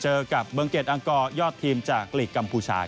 เจอกับเบิงเกดอังกอร์ยอดทีมจากหลีกกัมพูชา